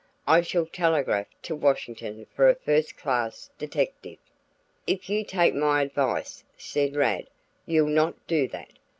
I shall telegraph to Washington for a first class detective." "If you take my advice," said Rad, "you'll not do that.